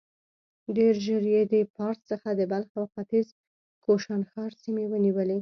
ډېر ژر يې د پارس څخه د بلخ او ختيځ کوشانښار سيمې ونيولې.